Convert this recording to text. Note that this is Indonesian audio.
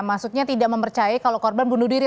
maksudnya tidak mempercayai kalau korban bunuh diri